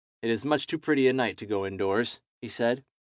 It is much too pretty a night to go indoors," he said.